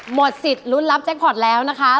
หมดสิทธิ์ลุ้นรับแจ็คพอร์ตแล้วนะคะ